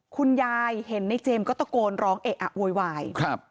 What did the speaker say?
คุณยายเห็นในเจมส์ก็ตะโกนร้องเอะอะโวยวายครับ